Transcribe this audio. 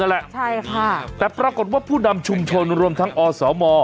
แหละใช่ค่ะแต่ปรากฏว่าผู้นำชุมชนรวมทั้งอสม